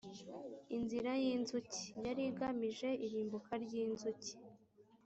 inzira y’inzuki: yari igamije irumbuka ry’inzuki